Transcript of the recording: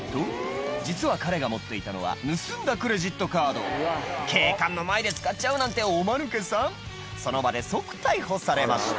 実は彼が持っていたのは盗んだクレジットカード警官の前で使っちゃうなんておマヌケさんその場で即逮捕されました